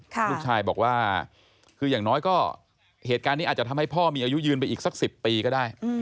ลูกชายบอกว่าคืออย่างน้อยก็เหตุการณ์นี้อาจจะทำให้พ่อมีอายุยืนไปอีกสัก๑๐ปีก็ได้